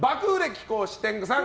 貴公子天狗さん